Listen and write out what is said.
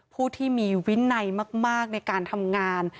ผู้ที่มีวินัยมากในการทำงาน